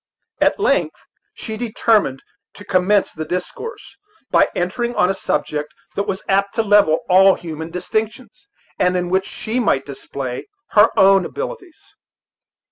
At length she determined to commence the discourse by entering on a subject that was apt to level all human distinctions, and in which she might display her own abilities.